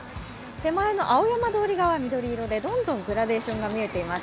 手前の青山通り側が緑色でどんどんグラデーションが見えています。